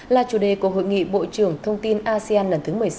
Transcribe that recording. là chủ đề của hội nghị bộ trưởng thông tin asean lần thứ một mươi sáu